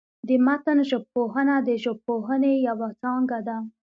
د متن ژبپوهنه، د ژبپوهني یوه څانګه ده.